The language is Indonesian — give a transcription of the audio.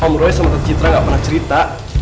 om roy sama tertitra gak pernah cerita